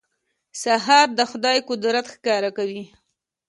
سهار د خدای قدرت ښکاره کوي.